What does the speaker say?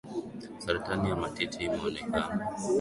saratani ya matiti imeonekana